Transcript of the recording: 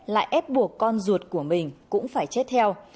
lại ép buộc con ruột của mình cũng phải chết theo